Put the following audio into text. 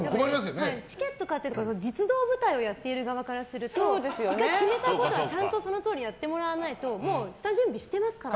チケット買ってる実働部隊をやっている側からすると１回、決めたことはちゃんとそのとおりやってもらわないと。